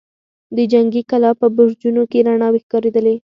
د جنګي کلا په برجونو کې رڼاوې ښکارېدلې.